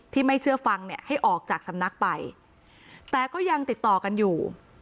ไม่เชื่อฟังเนี่ยให้ออกจากสำนักไปแต่ก็ยังติดต่อกันอยู่